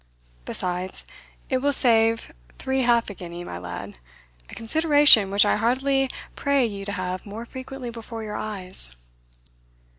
Besides, it will save thee half a guinea, my lad a consideration which I heartily pray you to have more frequently before your eyes."